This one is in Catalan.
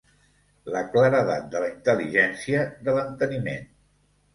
La claredat de la intel·ligència, de l'enteniment.